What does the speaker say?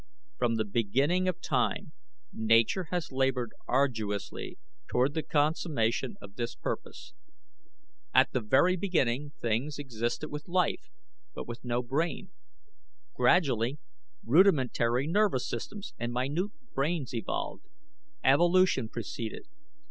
From the beginning of time Nature has labored arduously toward the consummation of this purpose. At the very beginning things existed with life, but with no brain. Gradually rudimentary nervous systems and minute brains evolved. Evolution proceeded.